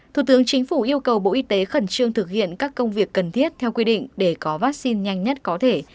thủ tướng chính phủ yêu cầu bộ y tế khẩn trương thực hiện các công việc cần thiết theo quy định để có vaccine nhanh nhất có thể